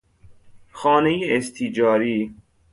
خانهی استیجاری